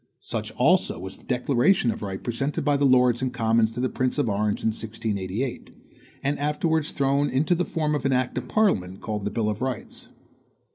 Such, also, was the Declaration of Right presented by the Lords and Commons to the Prince of Orange in 1688, and afterwards thrown into the form of an act of parliament called the Bill of Rights.